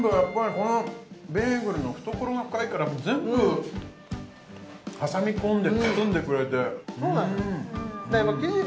このベーグルの懐が深いから全部挟み込んで包んでくれてそうなのよ